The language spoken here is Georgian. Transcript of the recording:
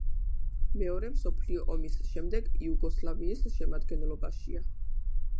მეორე მსოფლიო ომის შემდეგ იუგოსლავიის შემადგენლობაშია.